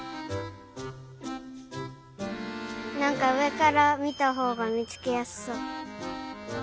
なんかうえからみたほうがみつけやすそう。